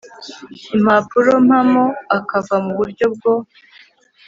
impapuro mpamo akava mu buryo bwo